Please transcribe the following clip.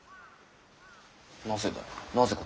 なぜだ？